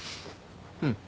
うん。